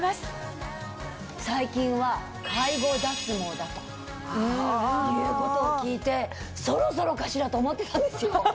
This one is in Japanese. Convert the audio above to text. だということを聞いてそろそろかしらと思ってたんですよ。